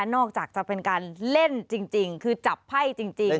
นอกจากจะเป็นการเล่นจริงคือจับไพ่จริง